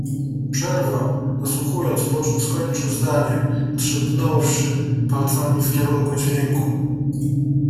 przerwał, nasłuchując, po czym skończył zdanie, trzepnąwszy palcami w kierunku dźwięku.